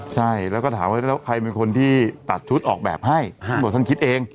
ใช่แล้วก็ถามว่าแล้วใครเป็นคนที่ตัดชุดออกแบบให้ท่านบอกท่านคิดเอง